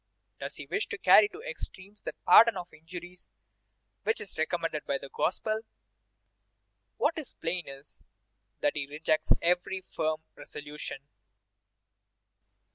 Does he wish to carry to extremes that pardon of injuries which is recommended by the Gospel? What is plain is, that he rejects every firm resolution.